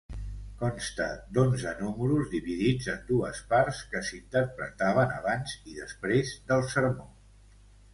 Consta d'onze números dividits en dues parts, que s'interpretaven abans i després del sermó.